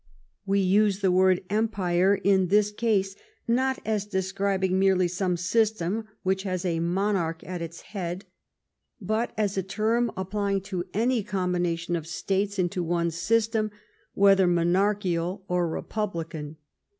We use the word " empire " in this case not as describing merely some system which has a monarch at its head, but as a term applying to any com bination of states into one system, whether monarchical or republican.